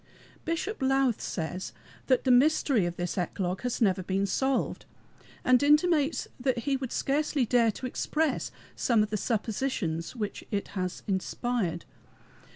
Bishop Lowth says that the mystery of this eclogue has never been solved, and intimates that he would scarcely dare to express some of the suppositions which it has inspired.